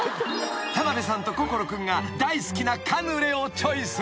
［田辺さんと心君が大好きなカヌレをチョイス］